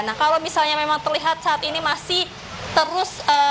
nah kalau misalnya memang terlihat saat ini masih terus